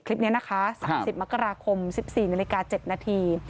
คลิปนี้นะคะ๓๐มกราคม๑๔นาฬิกา๗นาที